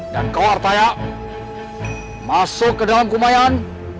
dan kau artaya masuk ke dalam kumayan